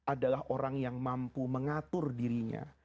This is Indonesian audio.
adalah orang yang mampu mengatur dirinya